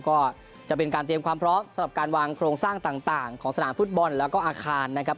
ก็จะเป็นการเตรียมความพร้อมสำหรับการวางโครงสร้างต่างของสนามฟุตบอลแล้วก็อาคารนะครับ